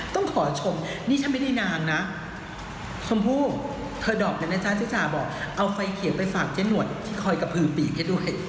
ต้องขอชมนี่ฉันไม่ได้นานนะชมพู่เธอดอกกันนะจ๊ะเจ๊จ๋าบอกเอาไฟเขียวไปฝากเจ๊หนวดที่คอยกระพือปีกให้ด้วย